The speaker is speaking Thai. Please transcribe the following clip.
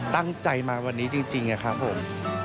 ตั้งใจมาวันนี้จริงครับผม